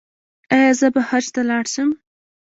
ایا زه به حج ته لاړ شم؟